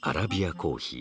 コーヒー？